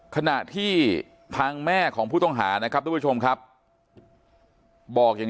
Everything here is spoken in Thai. ขณะที่ทางแม่ของผู้ต้องหานะครับทุกผู้ชมครับบอกอย่าง